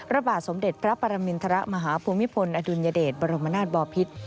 ระบาดสมเด็จพระปรมินทรมาฮภูมิพลอดุลยเดชบรมนาศบอพิษ